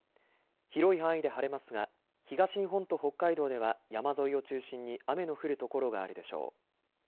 広い範囲で晴れますが東日本と北海道では山沿いを中心に雨の降る所があるでしょう。